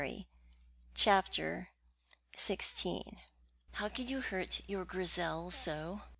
CHAPTER XVI "HOW COULD YOU HURT YOUR GRIZEL SO!"